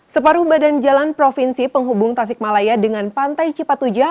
separuh badan jalan provinsi penghubung tasikmalaya dengan pantai cipatujah